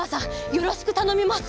よろしくたのみます！